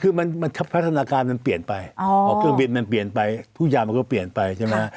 คือมันพัฒนาการมันเปลี่ยนไปพอเครื่องบินมันเปลี่ยนไปผู้ใหญ่มันก็เปลี่ยนไปใช่ไหม